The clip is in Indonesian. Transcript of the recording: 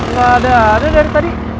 nggak ada ada dari tadi